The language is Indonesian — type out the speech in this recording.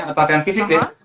atau latihan fisik ya